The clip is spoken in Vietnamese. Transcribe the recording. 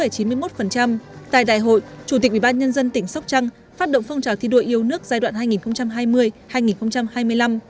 tại đại hội chủ tịch ubnd tỉnh sóc trăng phát động phong trào thi đua yêu nước giai đoạn hai nghìn hai mươi hai nghìn hai mươi năm